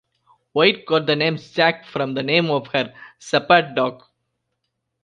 White got the name Zack from the name of her shepherd dog.